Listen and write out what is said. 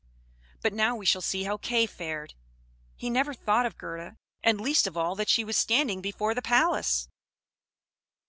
But now we shall see how Kay fared. He never thought of Gerda, and least of all that she was standing before the palace.